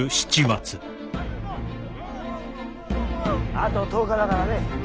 ・あと１０日だからね。